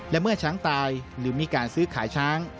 และเมื่อช้างตายหรือมีการซื้อขายช้าง